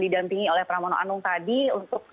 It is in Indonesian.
didampingi oleh pramono anung tadi untuk